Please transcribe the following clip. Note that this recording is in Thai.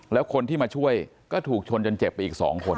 แล้วคนที่มาช่วยก็ถูกชนจนเจ็บไปอีก๒คน